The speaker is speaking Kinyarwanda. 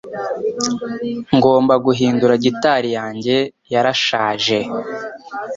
Ngomba guhindura gitari yanjye yarashaje